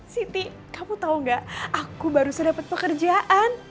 siti kamu tahu nggak aku baru saja dapat pekerjaan